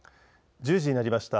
１０時になりました。